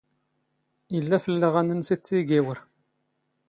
ⵉⵍⵍⴰ ⴼⵍⵍⴰⵖ ⴰⴷ ⵏⵏ ⵏⵙⵉⵜⵜⵉ ⵉⴳⵉⵡⵔ.